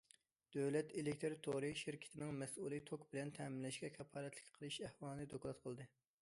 دۆلەت ئېلېكتىر تورى شىركىتىنىڭ مەسئۇلى توك بىلەن تەمىنلەشكە كاپالەتلىك قىلىش ئەھۋالىنى دوكلات قىلدى.